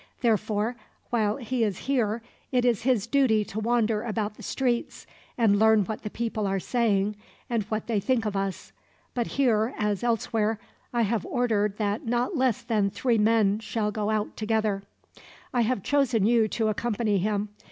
Therefore, while he is here it will be his duty to wander about the streets, and learn what the people are saying, and what they think of us. But here, as elsewhere, I have ordered that not less than three men shall go out together. "I have chosen you to accompany him.